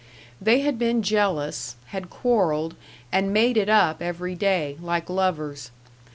They had been jealous, had quarreled, and made it up every day, like lovers.